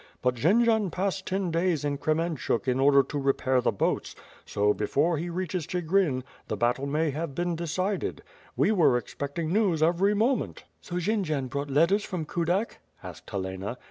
But Jendzian passed ten da3 s in Kremen chug in order to repair the boats, so, before he reaches Chi grin, the battle may have been decided; we were expecting news every moment." '^So Jendzian brought letters from Kudak?" asked Helena.